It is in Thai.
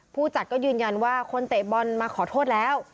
ผู้จัดก็ยืนยันว่าคนเตะบอลมาขอโทษแล้ว